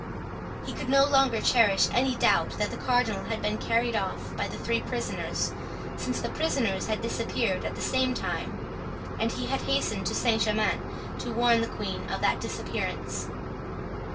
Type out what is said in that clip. He could no longer cherish any doubt that the cardinal had been carried off by the three prisoners, since the prisoners had disappeared at the same time; and he had hastened to Saint Germain to warn the queen of that disappearance.